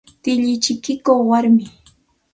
Tilli chikikuq warmimi.